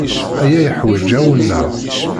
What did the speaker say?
Aya yeḥwaǧ awenneɛ.